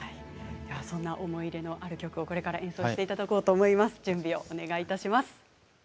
思い入れのある曲を演奏していただこうと思います。